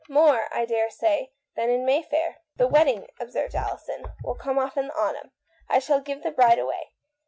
" More, I daresay, than in Mayfair." "The wedding," observed Alison, "will come off in the autumn — I shall give the bride away.